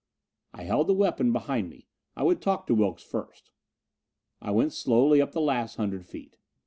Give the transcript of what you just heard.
I held the weapon behind me. I would talk to Wilks first. I went slowly up the last hundred feet.